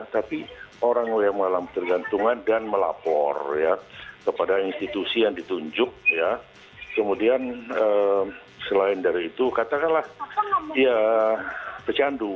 tapi orang yang mengalami ketergantungan dan melapor kepada institusi yang ditunjuk kemudian selain dari itu katakanlah ya pecandu